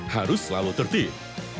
satu harus selalu tertib